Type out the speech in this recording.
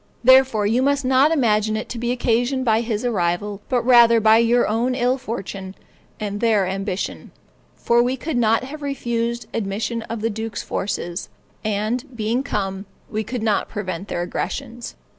Therefore, you must not imagine it to be occasioned by his arrival, but rather by your own ill fortune and their ambition; for we could not have refused admission to the duke's forces, and, being come, we could not prevent their aggressions.